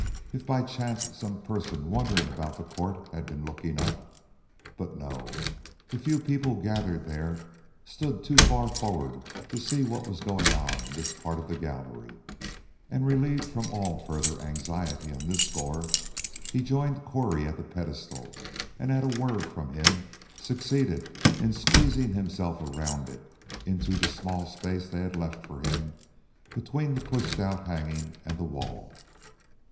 If by chance some person wandering about the court had been looking up but no, the few people gathered there stood too far forward to see what was going on in this part of the gallery; and relieved from all further anxiety on this score, he joined Correy at the pedestal and at a word from him succeeded in squeezing himself around it into the small space they had left for him between the pushed out hanging and the wall.